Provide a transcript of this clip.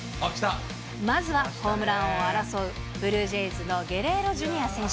まずはホームラン王を争うブルージェイズのゲレーロＪｒ．選手。